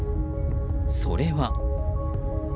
それは。